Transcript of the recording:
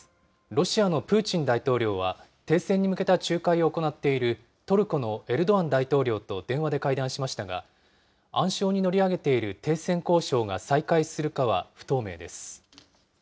ロシアのプーチン大統領は、停戦に向けた仲介を行っているトルコのエルドアン大統領と電話で会談しましたが、暗礁に乗り上げている停戦交渉が再開するかは不透明です。